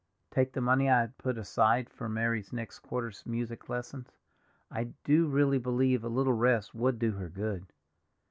"Take the money I had put aside for Mary's next quarter's music lessons; I do really believe a little rest would do her good."